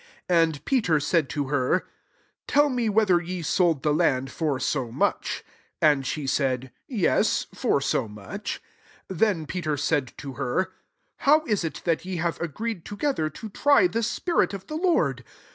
8 And Peter said to her, " Tell mc whether ye sold the land for so much.*' And she said, •• Ycsj for so much.'* 9 Then Pete* said to her, «* How is it that jt have agreed together to try th« spirit of the Lord